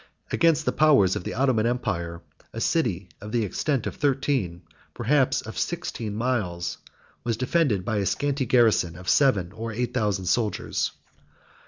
Against the powers of the Ottoman empire, a city of the extent of thirteen, perhaps of sixteen, miles was defended by a scanty garrison of seven or eight thousand soldiers.